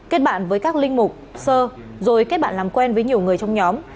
kết bạn với các linh mục sơ rồi kết bạn làm quen với nhiều người trong nhóm